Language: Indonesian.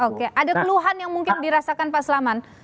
oke ada keluhan yang mungkin dirasakan pak selamat